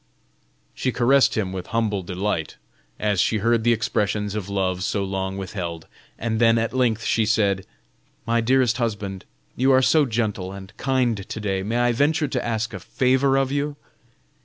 She caressed him with humble delight, as she heard the expressions of love so long withheld, and then at length she said: "My dearest husband, you are so gentle and kind to day, may I venture to ask a favor of you?